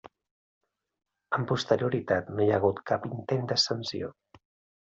Amb posterioritat no hi ha hagut cap intent d'ascensió.